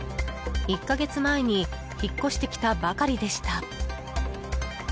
１か月前に引っ越してきたばかりでした。